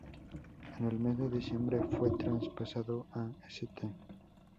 En el mes de diciembre fue traspasado a St.